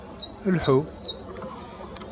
Lḥu